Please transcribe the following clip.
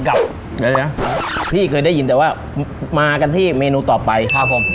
เดี๋ยวนะพี่เคยได้ยินแต่ว่ามากันที่เมนูต่อไปครับผม